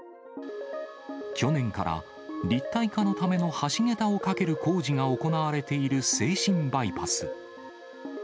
去年から立体化のための橋桁を架ける工事が行われている静清バイパス。